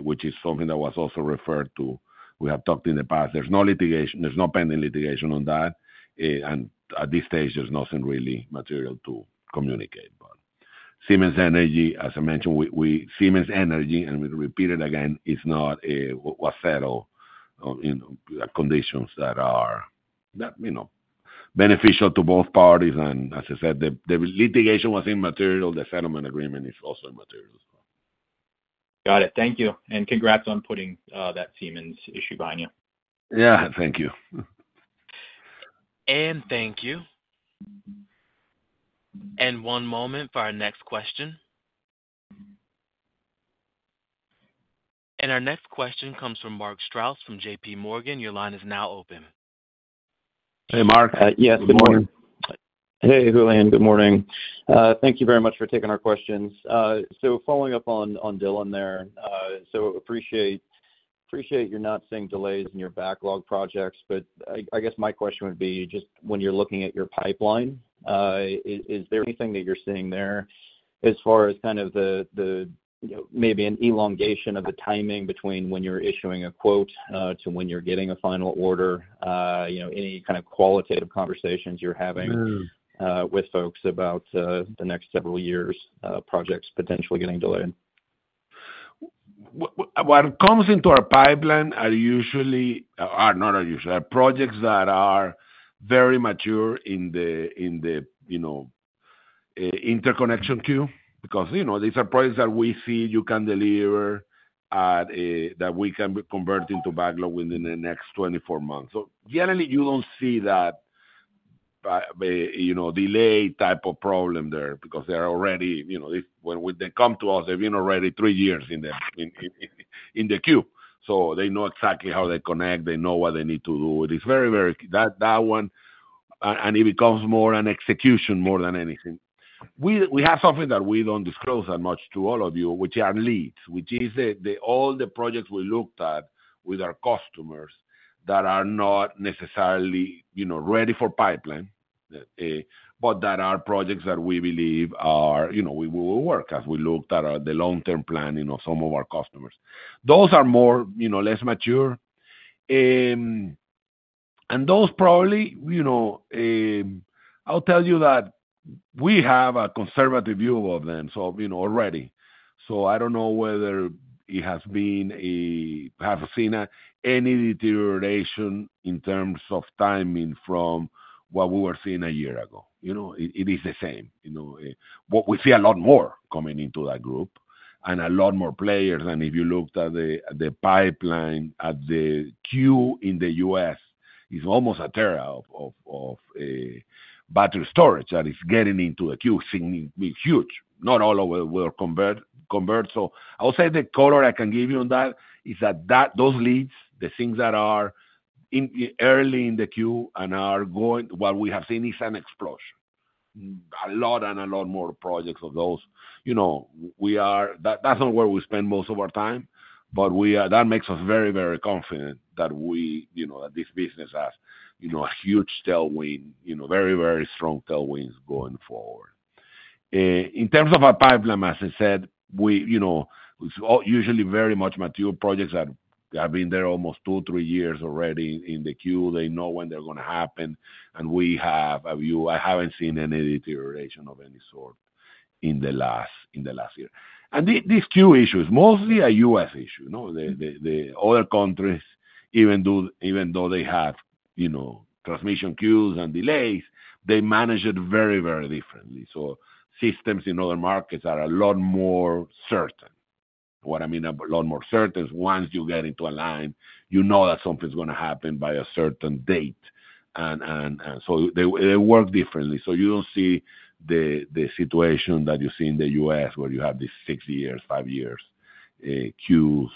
which is something that was also referred to, we have talked in the past, there's no litigation, there's no pending litigation on that, and at this stage, there's nothing really material to communicate. But Siemens Energy, as I mentioned, Siemens Energy, and let me repeat it again, was settled in conditions that are, you know, beneficial to both parties. And as I said, the litigation was immaterial, the settlement agreement is also immaterial as well. Got it. Thank you. And congrats on putting that Siemens issue behind you. Yeah, thank you. Thank you. One moment for our next question. Our next question comes from Mark Strouse from JPMorgan. Your line is now open. Hey, Mark. Yes, good morning. Good morning. Hey, Julian, good morning. Thank you very much for taking our questions. So following up on Dylan there, so appreciate you're not seeing delays in your backlog projects, but I guess my question would be, just when you're looking at your pipeline, is there anything that you're seeing there as far as kind of the you know, maybe an elongation of the timing between when you're issuing a quote to when you're getting a final order? You know, any kind of qualitative conversations you're having- Hmm. with folks about the next several years' projects potentially getting delayed? What comes into our pipeline are usually, are not usually, are projects that are very mature in the, in the, you know, interconnection queue, because, you know, these are projects that we see you can deliver at a-- that we can convert into backlog within the next 24 months. So generally, you don't see that by, by, you know, delay type of problem there because they're already, you know, if-- when they come to us, they've been already 3 years in the, in, in, in the queue. So they know exactly how they connect, they know what they need to do. It's very, very. That, that one, and it becomes more an execution more than anything. We have something that we don't disclose that much to all of you, which are leads, which is all the projects we looked at with our customers that are not necessarily, you know, ready for pipeline, but that are projects that we believe are, you know, we will work as we looked at the long-term planning of some of our customers. Those are more, you know, less mature. And those probably, you know, I'll tell you that we have a conservative view of them, so, you know, already. So I don't know whether I have seen any deterioration in terms of timing from what we were seeing a year ago. You know, it is the same, you know, but we see a lot more coming into that group and a lot more players. And if you looked at the pipeline, at the queue in the U.S., is almost a tera of battery storage that is getting into a queue, see it's huge. Not all of it will convert. So I'll say the color I can give you on that is that those leads, the things that are in early in the queue and are going what we have seen is an explosion, a lot and a lot more projects of those. You know, we are that's not where we spend most of our time, but we are that makes us very, very confident that we, you know, that this business has, you know, a huge tailwind, you know, very, very strong tailwinds going forward. In terms of our pipeline, as I said, we, you know, it's all usually very much mature projects that have been there almost two, three years already in the queue. They know when they're gonna happen, and we have a view. I haven't seen any deterioration of any sort in the last year. These queue issues, mostly a U.S. issue, you know, the other countries, even though they have, you know, transmission queues and delays, they manage it very, very differently. So systems in other markets are a lot more certain. What I mean a lot more certain, is once you get into a line, you know that something's gonna happen by a certain date, and so they work differently. So you don't see the situation that you see in the US, where you have these six years, five years queues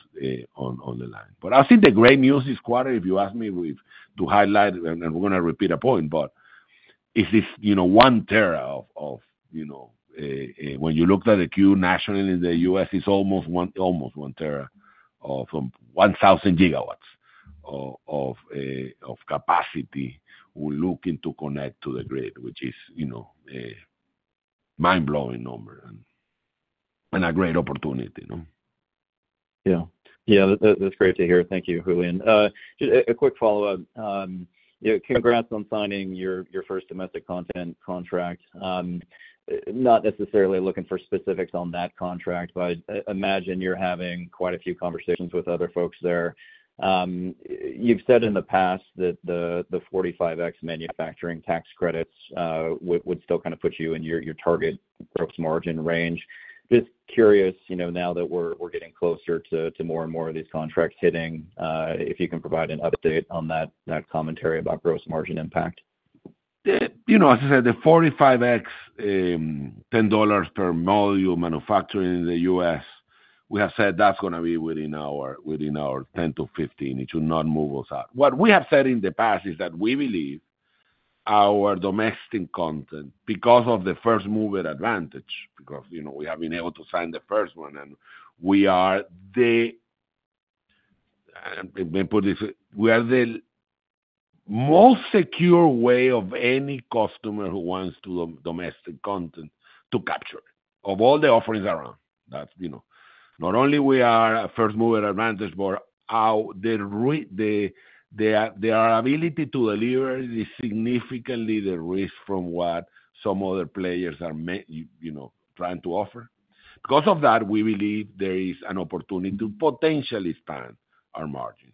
on the line. But I think the great news this quarter, if you ask me, we've to highlight, and we're gonna repeat a point, but is this, you know, 1 tera of, you know, when you looked at the queue nationally in the US, it's almost 1 tera, or from 1,000 gigawatts of capacity, we're looking to connect to the grid, which is, you know, a mind-blowing number and a great opportunity, you know? Yeah. Yeah, that's great to hear. Thank you, Julian. Just a quick follow-up. You know, congrats on signing your first domestic content contract. Not necessarily looking for specifics on that contract, but I'd imagine you're having quite a few conversations with other folks there. You've said in the past that the 45X manufacturing tax credits would still kind of put you in your target gross margin range. Just curious, you know, now that we're getting closer to more and more of these contracts hitting, if you can provide an update on that commentary about gross margin impact. You know, as I said, the 45X, $10 per module manufactured in the U.S., we have said that's gonna be within our 10-15. It should not move us out. What we have said in the past is that we believe our domestic content, because of the first-mover advantage, because, you know, we have been able to sign the first one, and we are the... Let me put this, we are the most secure way of any customer who wants to domestic content to capture it, of all the offerings around. That's, you know. Not only we are a first-mover advantage, but our the, the, our ability to deliver is significantly the risk from what some other players are you know, trying to offer. Because of that, we believe there is an opportunity to potentially expand our margins.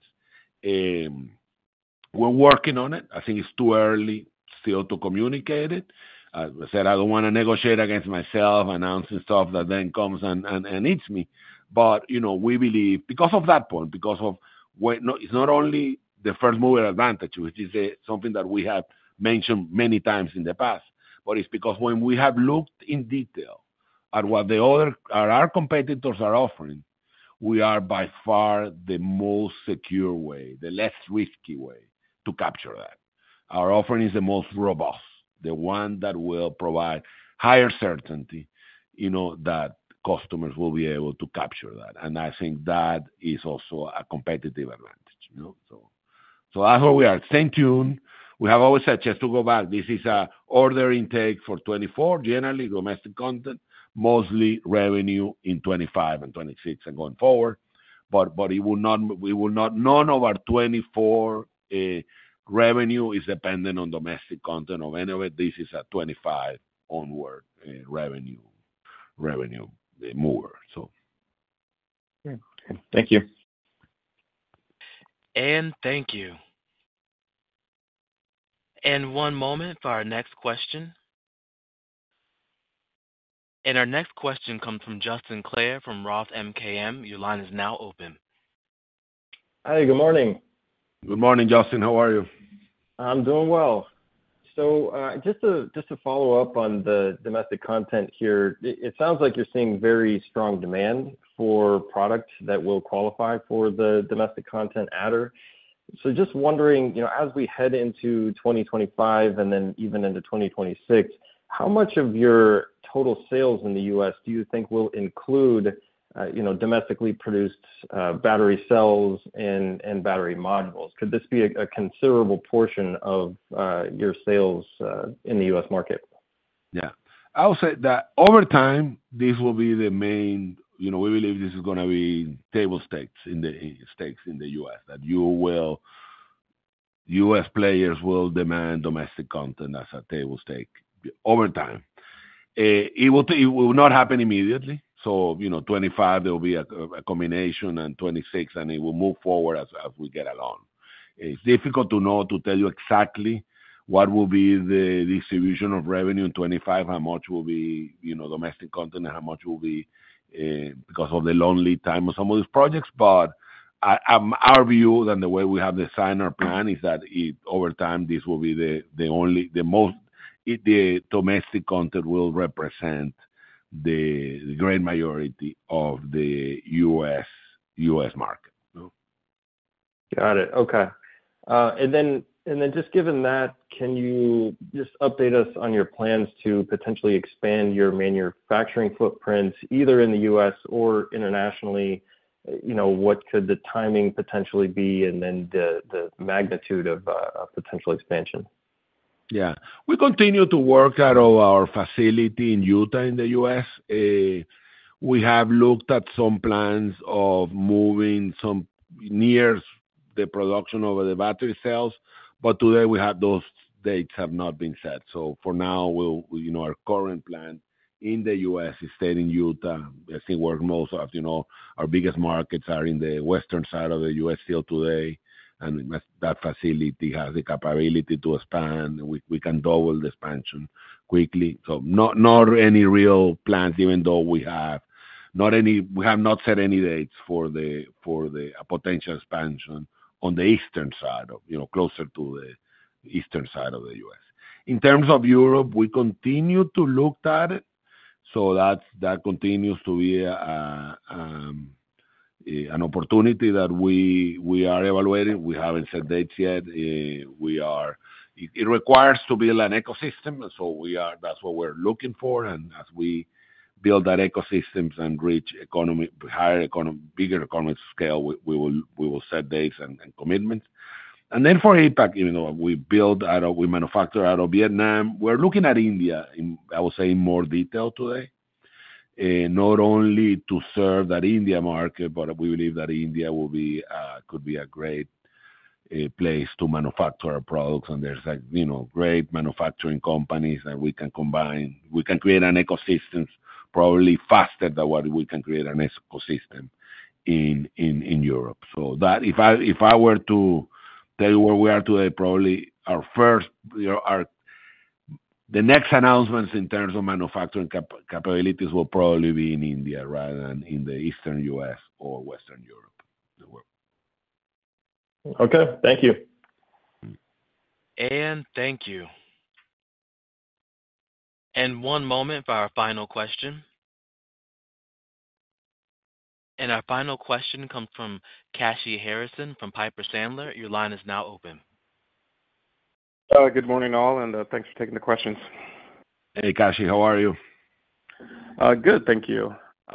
We're working on it. I think it's too early still to communicate it. I said I don't wanna negotiate against myself, announcing stuff that then comes and hits me. But, you know, we believe because of that point, because of when. It's not only the first-mover advantage, which is something that we have mentioned many times in the past, but it's because when we have looked in detail at what the other, or our competitors are offering, we are by far the most secure way, the less risky way, to capture that. Our offering is the most robust, the one that will provide higher certainty, you know, that customers will be able to capture that. And I think that is also a competitive advantage, you know? So I hope we are. Stay tuned. We have always said, just to go back, this is a order intake for 2024, generally domestic content, mostly revenue in 2025 and 2026 and going forward, but, but it will not—we will not—none of our 2024 revenue is dependent on domestic content or any way. This is a 2025 onward revenue mover, so. Great. Thank you. Thank you. One moment for our next question. Our next question comes from Justin Clare from Roth MKM. Your line is now open. Hi, good morning. Good morning, Justin. How are you? I'm doing well. So, just to follow up on the Domestic Content here, it sounds like you're seeing very strong demand for products that will qualify for the Domestic Content adder. So just wondering, you know, as we head into 2025 and then even into 2026, how much of your total sales in the US do you think will include, you know, domestically produced battery cells and battery modules? Could this be a considerable portion of your sales in the US market?... Yeah, I would say that over time, this will be the main, you know, we believe this is gonna be table stakes in the U.S., that U.S. players will demand domestic content as a table stake over time. It will not happen immediately, so, you know, 2025, there will be a combination, and 2026, and it will move forward as we get along. It's difficult to know, to tell you exactly what will be the distribution of revenue in 2025, how much will be, you know, domestic content, and how much will be because of the long lead time of some of these projects. But I, our view and the way we have designed our plan is that over time, this will be the only - the most, the Domestic Content will represent the great majority of the U.S. market, no? Got it. Okay. And then, and then just given that, can you just update us on your plans to potentially expand your manufacturing footprint, either in the U.S. or internationally? You know, what could the timing potentially be, and then the magnitude of a potential expansion? Yeah. We continue to work out of our facility in Utah, in the U.S. We have looked at some plans of moving some nearshoring the production of the battery cells, but today those dates have not been set. So for now, we'll, you know, our current plan in the U.S. is staying in Utah, I think where most of, you know, our biggest markets are in the western side of the U.S. still today, and that facility has the capability to expand, and we can double the expansion quickly. So not any real plans, even though we have not set any dates for the potential expansion on the eastern side of, you know, closer to the eastern side of the U.S. In terms of Europe, we continue to look at it, so that's, that continues to be, an opportunity that we are evaluating. We haven't set dates yet. It requires to build an ecosystem, so that's what we're looking for, and as we build that ecosystems and reach economy, bigger economy scale, we will set dates and commitments. And then for APAC, even though we manufacture out of Vietnam, we're looking at India, I would say, in more detail today. Not only to serve that India market, but we believe that India will be, could be a great place to manufacture our products. There's, like, you know, great manufacturing companies, and we can combine—we can create an ecosystem probably faster than what we can create an ecosystem in Europe. So that if I were to tell you where we are today, probably our first, you know, our next announcements in terms of manufacturing capabilities will probably be in India rather than in the Eastern US or Western Europe, the world. Okay, thank you. Thank you. One moment for our final question. Our final question comes from Kashy Harrison from Piper Sandler. Your line is now open. Good morning, all, and thanks for taking the questions. Hey, Kashy, how are you? Good, thank you. You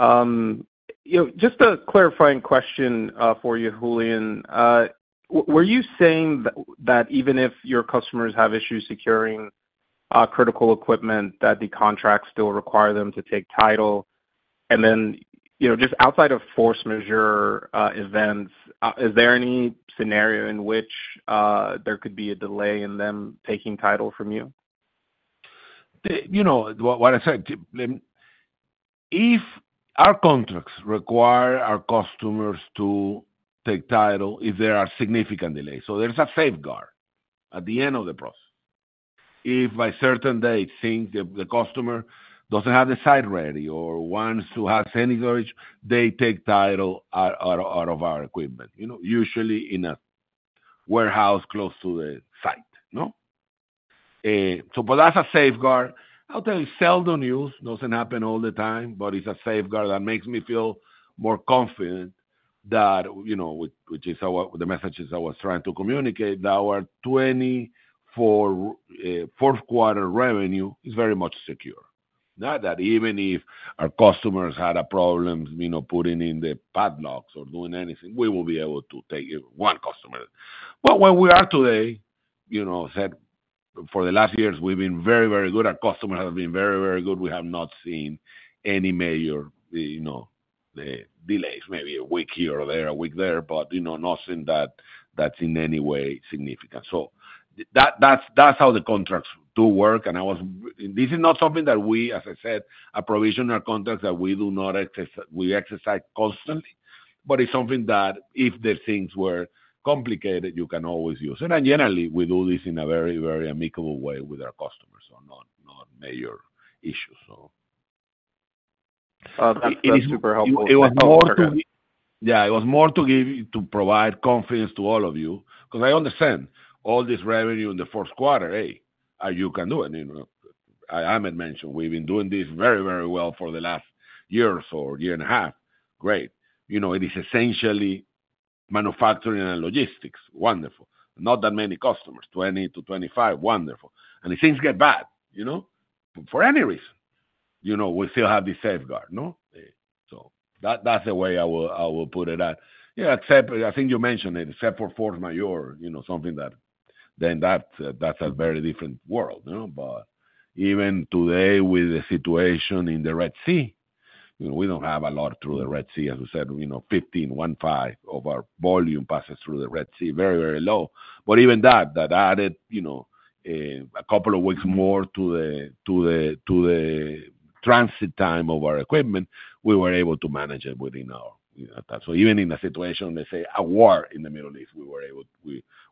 know, just a clarifying question for you, Julian. Were you saying that even if your customers have issues securing critical equipment, that the contracts still require them to take title? And then, you know, just outside of force majeure events, is there any scenario in which there could be a delay in them taking title from you? You know, what I said, if our contracts require our customers to take title if there are significant delays. So there's a safeguard at the end of the process. If by a certain date, the customer doesn't have the site ready or wants to have any storage, they take title out of our equipment, you know, usually in a warehouse close to the site, no? So but that's a safeguard, I'll tell you, seldom used, doesn't happen all the time, but it's a safeguard that makes me feel more confident that, you know, which is our, the message is I was trying to communicate, that our 2024 fourth quarter revenue is very much secure. Not that even if our customers had a problem, you know, putting in the padlocks or doing anything, we will be able to take it, one customer. But where we are today, you know, said for the last years, we've been very, very good. Our customers have been very, very good. We have not seen any major, you know, delays, maybe a week here or there, a week there, but, you know, nothing that's in any way significant. So that's how the contracts do work, and I was... This is not something that we, as I said, are provisional contracts that we do not exercise, we exercise constantly, but it's something that if the things were complicated, you can always use. And generally, we do this in a very, very amicable way with our customers on major issues, so. That's super helpful. It was more to give. Yeah, it was more to give, to provide confidence to all of you, because I understand all this revenue in the fourth quarter, hey, you can do it, you know. I, I might mention, we've been doing this very, very well for the last year or so, year and a half. Great. You know, it is essentially manufacturing and logistics, wonderful. Not that many customers, 20-25, wonderful. And if things get bad, you know, for any reason, you know, we still have the safeguard, no? So that, that's the way I will, I will put it at. Yeah, except I think you mentioned it, except for force majeure, you know, something that then that, that's a very different world, you know? But even today, with the situation in the Red Sea, you know, we don't have a lot through the Red Sea. As we said, you know, 15 of our volume passes through the Red Sea. Very, very low. But even that added, you know, a couple of weeks more to the transit time of our equipment. We were able to manage it within our, you know, time. So even in a situation, let's say, a war in the Middle East,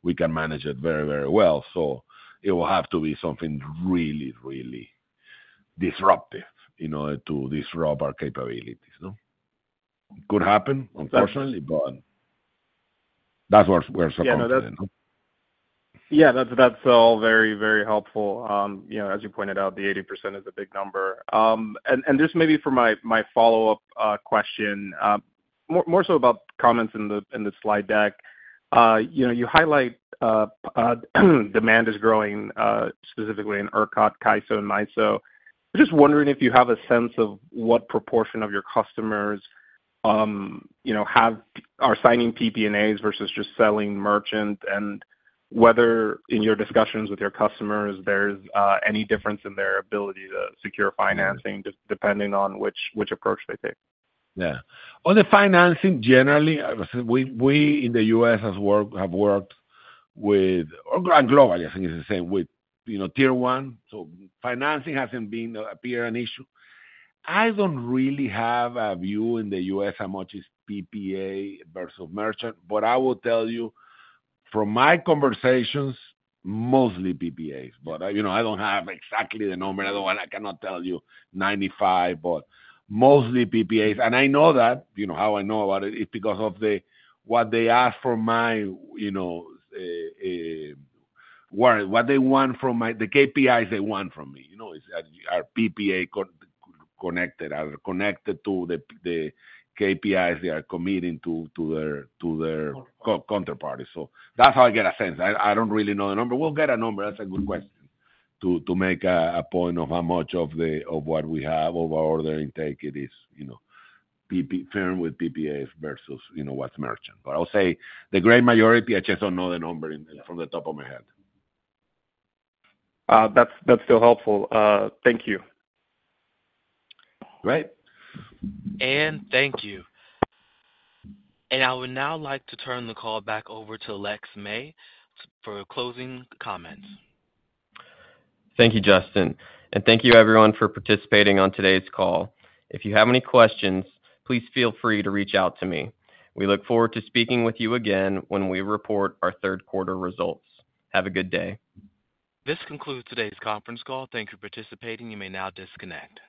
we can manage it very, very well. So it will have to be something really, really disruptive in order to disrupt our capabilities, no? Could happen, unfortunately, but that's the circumstances, no? Yeah, that's all very helpful. You know, as you pointed out, the 80% is a big number. And just maybe for my follow-up question, more so about comments in the slide deck. You know, you highlight demand is growing specifically in ERCOT, CAISO, and MISO. I'm just wondering if you have a sense of what proportion of your customers, you know, are signing PPAs versus just selling merchant, and whether in your discussions with your customers, there's any difference in their ability to secure financing, just depending on which approach they take. Yeah. On the financing, generally, we, we in the U.S. has worked, have worked with, or and globally, I think it's the same with, you know, tier one, so financing hasn't been an issue. I don't really have a view in the U.S. how much is PPA versus merchant, but I will tell you from my conversations, mostly PPAs. But, you know, I don't have exactly the number, otherwise I cannot tell you 95, but mostly PPAs. And I know that, you know, how I know about it, it's because of the, what they ask from my, you know, what they want from my... The KPIs they want from me, you know, is are PPA connected, are connected to the, the KPIs they are committing to, to their, to their counterparties. So that's how I get a sense. I don't really know the number. We'll get a number. That's a good question, to make a point of how much of what we have of our order intake it is, you know, PP, firm with PPAs versus, you know, what's merchant. But I'll say the great majority. I just don't know the number from the top of my head. That's, that's still helpful. Thank you. Great. Thank you. I would now like to turn the call back over to Lex May for closing comments. Thank you, Justin, and thank you everyone for participating on today's call. If you have any questions, please feel free to reach out to me. We look forward to speaking with you again when we report our third quarter results. Have a good day. This concludes today's conference call. Thank you for participating. You may now disconnect.